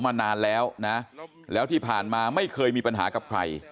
มานานแล้วนะแล้วที่ผ่านมาไม่เคยมีปัญหากับใคร